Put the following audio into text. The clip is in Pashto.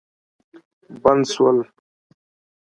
بند سول.